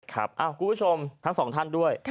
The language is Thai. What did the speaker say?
คุณผู้ชมทั้งสองท่านด้วย